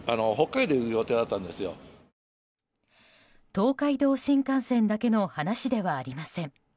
東海道新幹線だけの話ではありません。